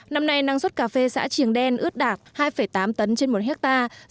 năm nay năng suất cà phê xã triềng đen ước đạt hai tám tấn trên một hectare